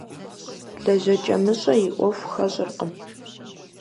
ЛэжьэкӀэмыщӀэ и Ӏуэху хэщӀыркъым.